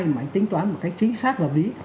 mà anh tính toán một cách chính xác và vĩ